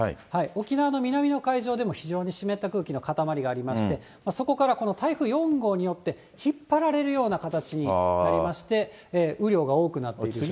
沖縄の南の海上でも非常に湿った空気の固まりがありまして、そこから台風４号によって引っ張られるような形になりまして、雨量が多くなっていると。